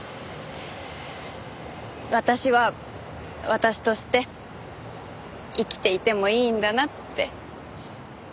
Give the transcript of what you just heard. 私は私として生きていてもいいんだなって。